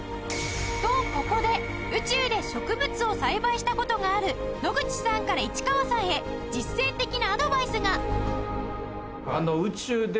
とここで宇宙で植物を栽培した事がある野口さんから市川さんへ実践的なアドバイスが